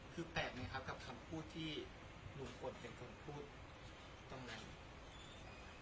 คือแปลกไหมครับกับคำพูดที่ลุงพลเป็นคนพูดตรงนั้น